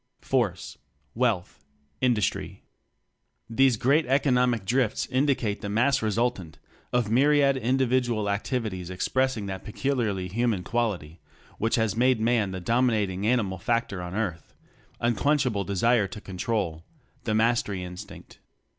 Force, Wealth, Industry. These great economic drifts indi cate the mass resultant of myriad in dividual activities expressing that pe culiarly human quality which has made man the dominating animal factor on earth unquenchable desire to con trol the Mastery Instinct.